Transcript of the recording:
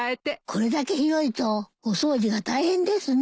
これだけ広いとお掃除が大変ですね。